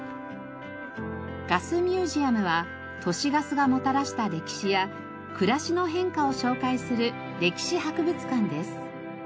ガスミュージアムは都市ガスがもたらした歴史や暮らしの変化を紹介する歴史博物館です。